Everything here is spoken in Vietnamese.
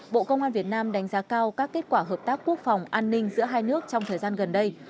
bộ công an việt nam đánh giá cao các kết quả hợp tác quốc phòng an ninh giữa hai nước trong thời gian gần đây